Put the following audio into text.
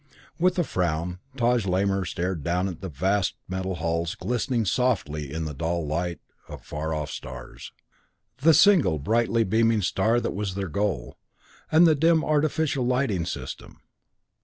With a frown Taj Lamor stared down at the vast metal hulls glistening softly in the dull light of far off stars, the single brightly beaming star that was their goal, and the dim artificial lighting system.